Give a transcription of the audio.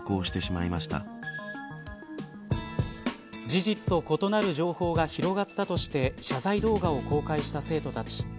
事実と異なる情報が広がったとして謝罪動画を公開した生徒たち。